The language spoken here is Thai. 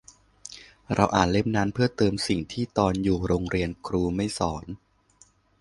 เราอ่านเล่มนั้นเพื่อเติมสิ่งที่ตอนอยู่โรงเรียนครูไม่สอน